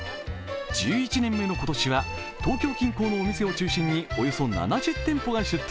１１年目の今年は東京近郊のお店を中心におよそ７０店舗が出店。